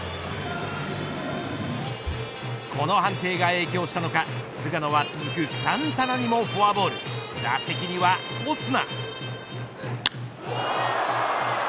この判定が影響したのか菅野は続くサンタナにもフォアボール打席にはオスナ。